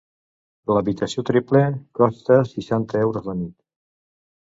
L'habitació triple costa seixanta euros la nit.